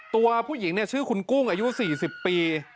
ตัวผู้หญิงชื่อคุณกุ้งอายุ๔๐ปี